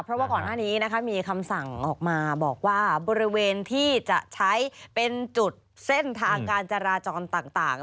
เพราะว่าก่อนหน้านี้นะคะมีคำสั่งออกมาบอกว่าบริเวณที่จะใช้เป็นจุดเส้นทางการจราจรต่าง